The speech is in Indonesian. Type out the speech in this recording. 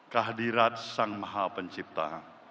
kahdirat sang maha pencipta